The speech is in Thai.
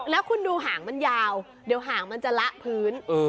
แล้วคุณดูหางมันยาวเดี๋ยวหางมันจะละพื้น